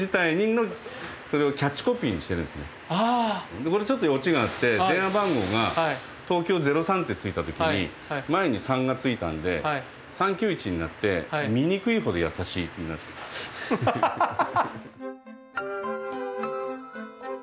でこれちょっと落ちがあって電話番号が東京０３ってついた時に前に３がついたんで３２９１になって醜いほど優しいって。ハハハハハハ！